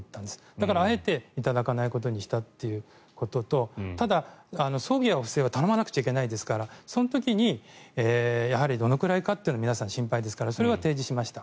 だからあえて頂かないことにしたということとただ、葬儀、お布施は頼まなくちゃいけないですからその時にどのくらいかというのは皆さん心配ですからそれは提示しました。